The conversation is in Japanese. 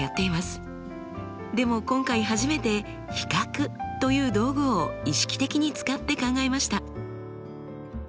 でも今回初めて比較という道具を意識的に使って考えました。